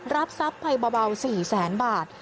รับทรัพย์ไปเบา๔แสนบาท